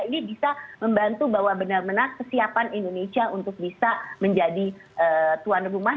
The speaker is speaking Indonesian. ini bisa membantu bahwa benar benar kesiapan indonesia untuk bisa menjadi tuan rumah